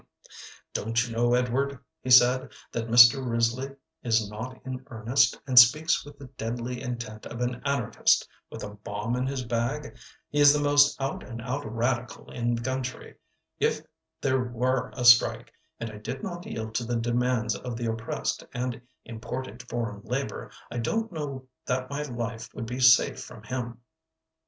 "Don't you know, Edward," he said, "that Mr. Risley is not in earnest, and speaks with the deadly intent of an anarchist with a bomb in his bag? He is the most out and out radical in the country. If there were a strike, and I did not yield to the demands of the oppressed, and imported foreign labor, I don't know that my life would be safe from him."